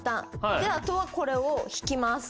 で後はこれを引きます。